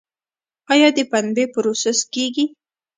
آیا د پنبې پروسس کیږي؟